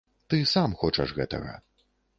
Ты сам хочаш гэтага.